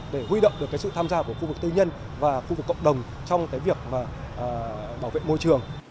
để huy động được cái sự tham gia của khu vực tư nhân và khu vực cộng đồng trong việc bảo vệ môi trường